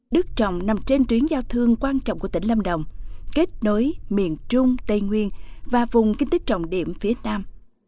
đức trọng nằm trên tuyến giao thương quan trọng của tỉnh lâm đồng kết nối miền trung tây nguyên và vùng kinh tích trọng điểm phía nam